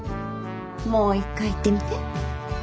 もう一回言ってみて。